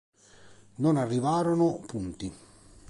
Non arrivarono punti.